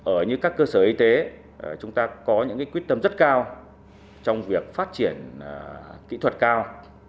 ở như các cơ sở y tế chúng ta có những quyết tâm rất cao trong việc phát triển kỹ thuật cao